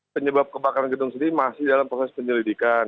penyebab kebakaran gedung sendiri masih dalam proses penyelidikan